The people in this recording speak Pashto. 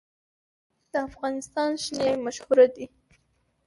د افغانستان شین چای مشهور دی